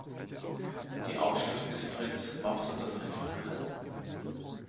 Die Ausstattung des Prinz war besonders einfach gehalten.